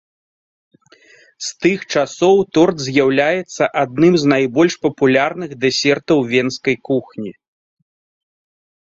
З тых часоў торт з'яўляецца адным з найбольш папулярных дэсертаў венскай кухні.